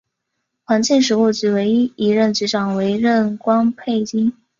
环境食物局唯一一任局长为任关佩英。